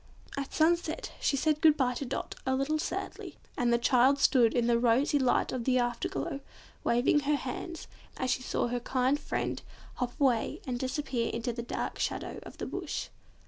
At sunset she said good bye to Dot, a little sadly, and the child stood in the rosy light of the after glow, waving her hand, as she saw her kind animal friend hop away and disappear into the dark shadow of the Bush.